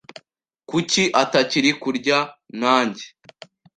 Kuki atakiri kurya nanjye?